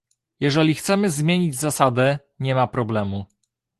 Jeżeli chcemy zmienić zasadę, nie ma problemu